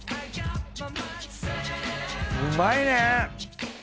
うまいね！